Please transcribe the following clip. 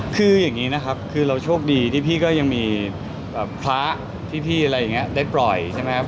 คืออย่างนี้นะครับคือเราโชคดีที่พี่ก็ยังมีพระพี่อะไรอย่างนี้ได้ปล่อยใช่ไหมครับ